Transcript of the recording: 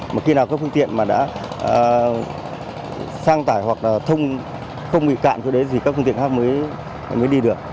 mà khi nào các phương tiện mà đã san tải hoặc là không bị cạn thì các phương tiện khác mới đi được